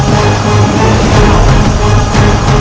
tidak ada olahraga